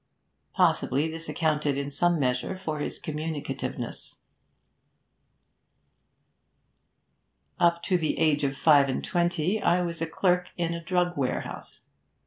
Possibly this accounted in some measure for his communicativeness. 'Up to the age of five and twenty I was clerk in a drug warehouse.